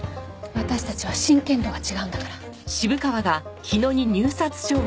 私たちは真剣度が違うんだから。